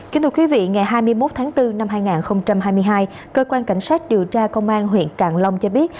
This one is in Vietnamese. kính thưa quý vị ngày hai mươi một tháng bốn năm hai nghìn hai mươi hai cơ quan cảnh sát điều tra công an huyện càng long cho biết